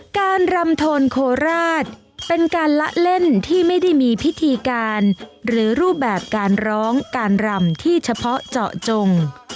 การรำโทนโคราชเป็นการละเล่นที่ไม่ได้มีพิธีการหรือรูปแบบการร้องการรำที่เฉพาะเจาะจง